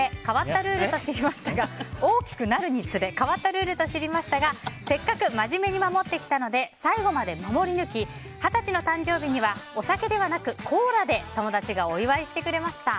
大きくなるにつれ変わったルールと知りましたがせっかく真面目に守ってきたので最後まで守り抜き二十歳の誕生日にはお酒ではなくコーラで友達がお祝いしてくれました。